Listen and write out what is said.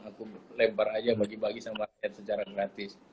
aku lempar aja bagi bagi sama ayam secara gratis